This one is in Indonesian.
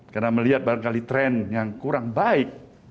karena melihat barangkali tren yang kurang baik